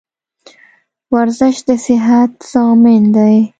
ورزش دصیحت زامین ده